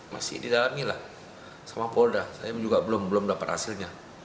masih didalami lah sama polda saya juga belum dapat hasilnya